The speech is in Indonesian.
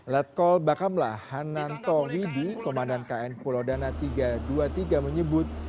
letkol bakamla hananto widy komandan kn pulau dana tiga ratus dua puluh tiga menyebut